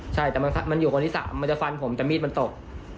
ใช่แต่มันอยู่คนที่๓มันจะฟันผมแต่มีดมันตก